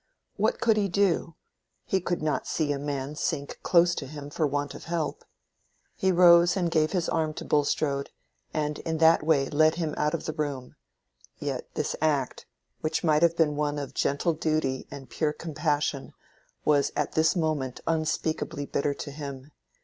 What could he do? He could not see a man sink close to him for want of help. He rose and gave his arm to Bulstrode, and in that way led him out of the room; yet this act, which might have been one of gentle duty and pure compassion, was at this moment unspeakably bitter to him.